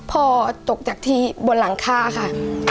ตกจากที่บนหลังคาค่ะ